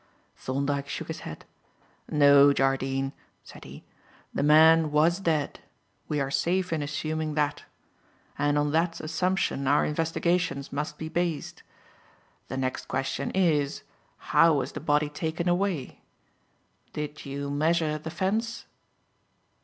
Thorndyke shook his head. "No, Jardine," said he, "the man was dead. We are safe in assuming that; and on that assumption our investigations must be based. The next question is, how was the body taken away? Did you measure the fence?"